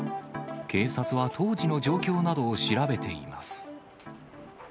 警察は当時の状況などを調べています。